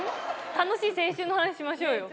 楽しい青春の話しましょうよ。